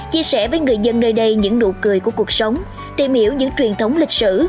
chia sẻ với người dân nơi đây những nụ cười của cuộc sống tìm hiểu những truyền thống lịch sử